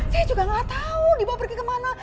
saya juga gak tahu dia bawa pergi kemana